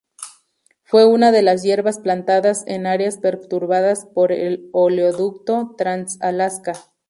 Fue una de las hierbas plantadas en áreas perturbadas por el Oleoducto Trans-Alaska.